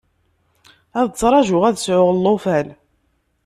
Ad ttraǧuɣ ad sɛuɣ llufan.